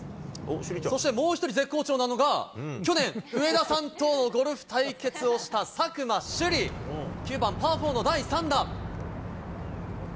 そしてもう１人絶好調なのが、去年、上田さんとゴルフ対決をした佐久間朱莉。９番パー４の第３打。